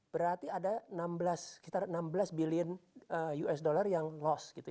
berarti ada enam belas sekitar enam belas billion us dollar yang lost gitu ya